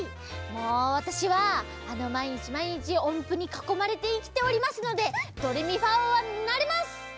もうわたしはまいにちまいにちおんぷにかこまれていきておりますのでドレミファおうなります！